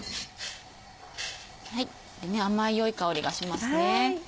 甘い良い香りがしますね。